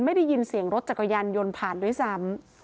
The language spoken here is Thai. ไม่ได้ยินเสียงรถจักรยานยนต์ผ่านด้วยซ้ำ